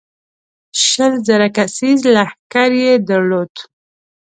شل زره کسیز لښکر یې درلود.